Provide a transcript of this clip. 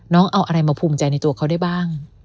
น้องเอาอะไรมาภูมิใจในตัวเขาได้บ้าง